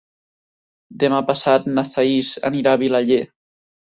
Demà passat na Thaís anirà a Vilaller.